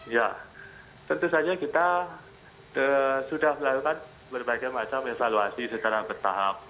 ya tentu saja kita sudah melakukan berbagai macam evaluasi secara bertahap